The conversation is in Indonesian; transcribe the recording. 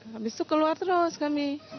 habis itu keluar terus kami